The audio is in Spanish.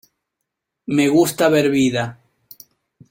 Me gusta ver vida.